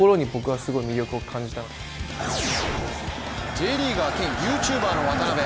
Ｊリーガー兼ＹｏｕＴｕｂｅｒの渡邊。